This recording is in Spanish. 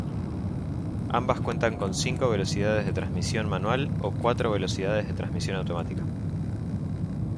Ambas cuentan con cinco velocidades de transmisión manual o cuatro velocidades de transmisión automática.